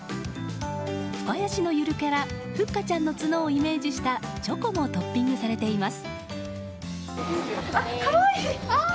深谷市のゆるキャラふっかちゃんの角をイメージしたチョコもトッピングされています。